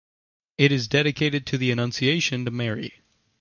It is dedicated to the Annunciation to Mary.